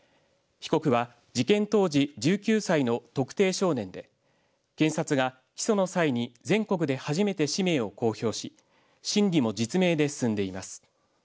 被告は事件当時１９歳の特定少年で検察が起訴の際に全国で初めて氏名を公表し審理も実名で進んでいます。